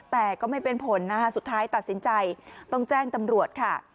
แต่ก็ไม่เป็นผลนะคะสุดท้ายตัดสินใจต้องแจ้งตำรวจค่ะ